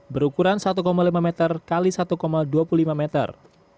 berukuran satu lima meter x satu dua puluh lima meter